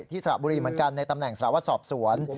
สระบุรีเหมือนกันในตำแหน่งสาวสอบสวน